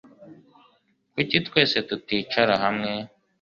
Kuki twese tuticara hamwe